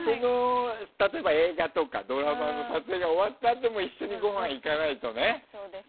例えば映画とかドラマの撮影が終わったあとも一緒にごはん行かないとね。